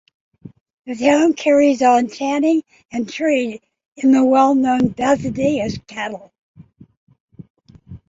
The town carries on tanning and trade in the well-known Bazadais cattle.